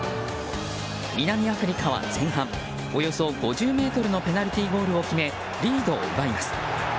南アフリカは前半およそ５０ｍのペナルティーゴールを決めリードを奪います。